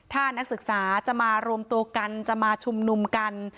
ถ้านักศึกษาจะมารวมตัวกันจะมาชุมนุมกัน